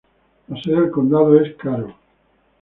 La sede del condado es Caro.